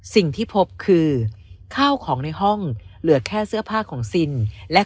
สิ่งที่พบคือข้าวของในห้องเหลือแค่เสื้อผ้าของซินและ